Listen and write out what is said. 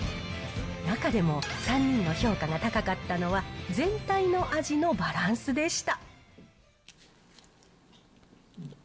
中でも３人の評価が高かったのは、全体の味のバランスでした。